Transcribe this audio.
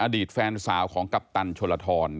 อดีตแฟนสาวของกัปตันชนลทร